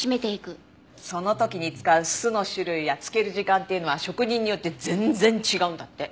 その時に使う酢の種類や漬ける時間っていうのは職人によって全然違うんだって。